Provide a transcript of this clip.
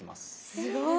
すごい！